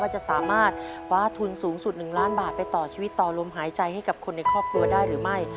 จะสามารถคว้าทุนสูงสุด๑ล้านบาทไปต่อชีวิตต่อลมหายใจให้กับคนในครอบครัวได้หรือไม่